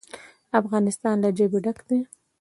افغانستان له ژبې ډک دی.